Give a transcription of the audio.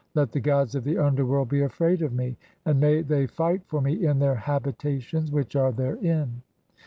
Let the gods of the underworld be afraid of me, "and may they fight for me in their habitations which are therein.